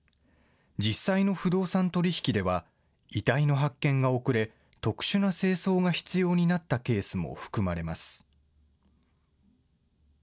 実際の不動産取り引きでは、遺体の発見が遅れ、特殊な清掃が必要になったケースも含まれます。